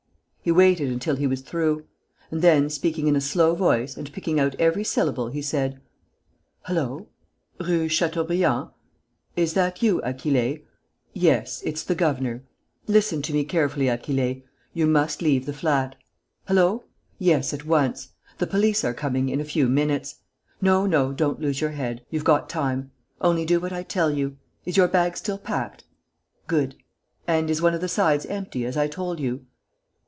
He waited until he was through; and then, speaking in a slow voice and picking out every syllable, he said: "Hullo!.... Rue Chateaubriand?... Is that you, Achille?... Yes, it's the governor. Listen to me carefully, Achille.... You must leave the flat! Hullo!... Yes, at once. The police are coming in a few minutes. No, no, don't lose your head.... You've got time. Only, do what I tell you. Is your bag still packed?... Good. And is one of the sides empty, as I told you?...